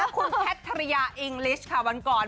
คุณแคทริยาอิงลิชค่ะวันก่อน